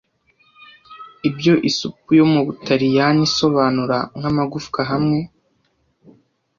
Ibyo isupu yo mubutaliyani isobanura nkamagufwa hamwe